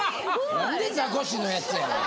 なんでザコシのやつやねん。